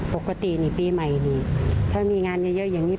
ปกตินี่ปีใหม่นี่ถ้ามีงานเยอะอย่างนี้